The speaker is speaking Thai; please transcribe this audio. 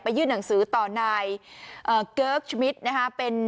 ยื่นหนังสือต่อนายเกิร์กชมิตรนะคะเป็น